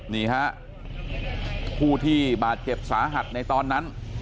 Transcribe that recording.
นี่ฮะผู้ที่บาดเจ็บสาหัสในตอนนั้น